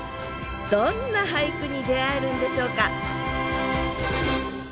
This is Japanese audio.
どんな俳句に出会えるんでしょうか？